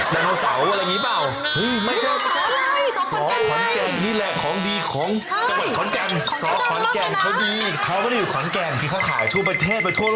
เธอก็ใช้ได้เหรอไม่อืมช้ามากเลยโอเคเอาจังหวัดตั้งโรย